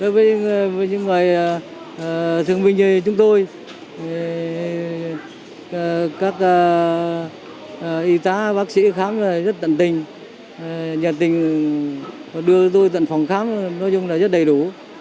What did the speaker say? đối với những người thương binh chúng tôi các y tá bác sĩ khám rất tận tình nhiệt tình đưa tôi tận phòng khám nói chung là rất đầy đủ